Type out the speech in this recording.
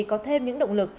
có thêm những động lực